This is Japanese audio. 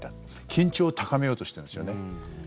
緊張を高めようとしたんですよね。